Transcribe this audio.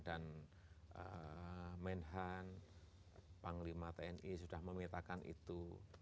dan menhan panglima tni sudah memintakan itu